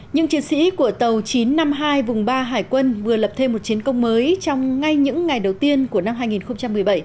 những chiến sĩ của tàu chín trăm năm mươi hai vùng ba hải quân vừa lập thêm một chiến công mới trong ngay những ngày đầu tiên của năm hai nghìn một mươi bảy